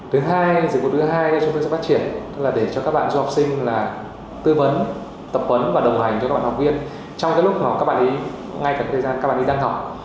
thứ hai dịch vụ thứ hai chúng tôi sẽ phát triển là để cho các bạn du học sinh là tư vấn tập vấn và đồng hành cho các bạn học viên trong cái lúc mà các bạn ý ngay cả thời gian các bạn ý đang học